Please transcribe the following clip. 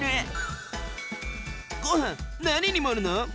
「ごはん何に盛るの？」。